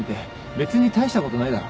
別に大したことないだろ。